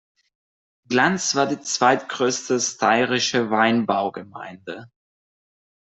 Glanz war die zweitgrößte steirische Weinbaugemeinde.